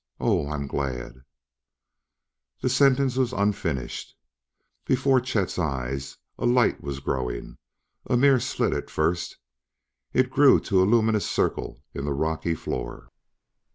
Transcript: Oh, I am glad " The sentence was unfinished. Before Chet's eyes a light was growing. A mere slit at first, it grew to a luminous circle in the rocky floor.